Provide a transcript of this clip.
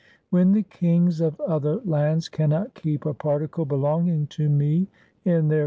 When the kings of other lands cannot keep a particle belonging to me in their pos 1 Asa.